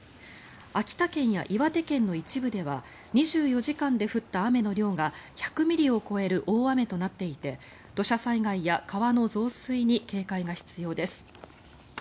秋田県や岩手県の一部では２４時間で降った雨の量が１００ミリを超える大雨となっていて土砂災害や川の増水に警戒が必要です。